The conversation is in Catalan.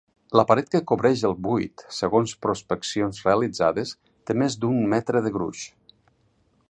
La paret que cobreix el buit, segons prospeccions realitzades, té més d'un metre de gruix.